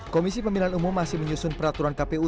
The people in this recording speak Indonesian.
komisi pemilihan umum masih menyusun peraturan kpu